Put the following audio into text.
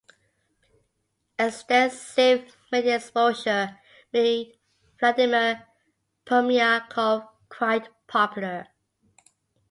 Extensive media exposure made Vladimir Permyakov quite popular.